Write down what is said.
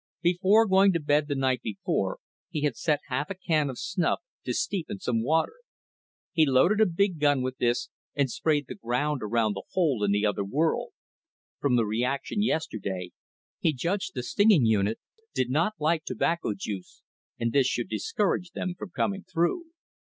Before going to bed the night before, he had set half a can of snuff to steep in some water. He loaded a bug gun with this and sprayed the ground around the hole into the other world. From the reaction yesterday, he judged the stinging units did not like tobacco juice, and this should discourage them from coming through.